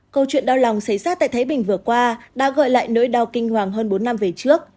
câu chuyện đau lòng xảy ra tại thái bình vừa qua đã gợi lại nỗi đau kinh hoàng hơn bốn năm về trước